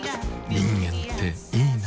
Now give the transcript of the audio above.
人間っていいナ。